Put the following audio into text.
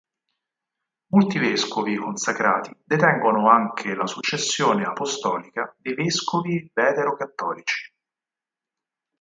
Molti vescovi consacrati detengono anche la successione apostolica dei vescovi vetero-cattolici.